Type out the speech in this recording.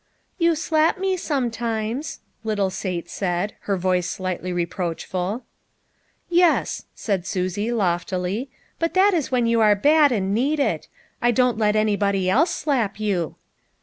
" You slap me sometimes," little Sate said, her voice slightly reproachful. " Yes," said Susie loftily, " but that is when you are bad and need it ; I don't let anybody else slap you."